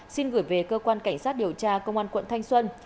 xin gửi về cơ quan cảnh sát điều tra công an quận thanh xuân